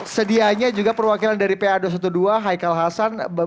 sedianya juga perwakilan dari pa dua ratus dua belas haikal hasan